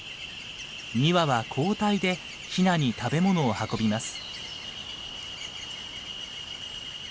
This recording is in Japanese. ２羽は交代でヒナに食べ物を運びます。